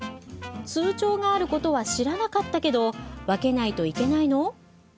通帳があることは知らなかったけど分けないといけないの？